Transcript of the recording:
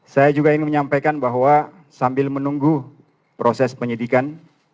saya juga ingin menyampaikan bahwa sambil menunggu proses penyidikan